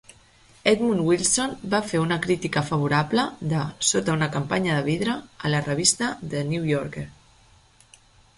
Edmund Wilson va fer una crítica favorable de "Sota una campana de vidre" a la revista "The New Yorker".